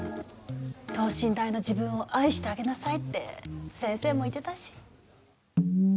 等身大の自分を愛してあげなさいって先生も言ってたし。